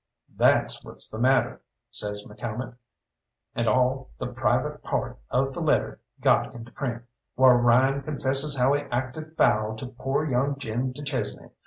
"That's what's the matter," says McCalmont, "and all the private part of the letter got into print; whar Ryan confesses how he acted foul to pore young Jim du Chesnay.